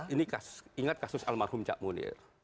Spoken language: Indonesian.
ini ingat kasus almarhum cak munir